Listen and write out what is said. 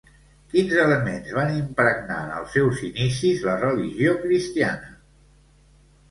Quins elements van impregnar en els seus inicis la religió cristiana?